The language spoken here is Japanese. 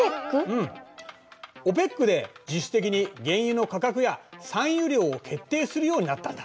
ＯＰＥＣで実質的に原油の価格や産油量を決定するようになったんだ。